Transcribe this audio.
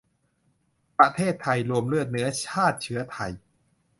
ประเทศไทย รวมเลือดเนื้อ ชาติเชื้อไทย